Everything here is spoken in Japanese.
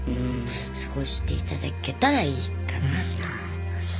過ごしていただけたらいいかなと思いますね。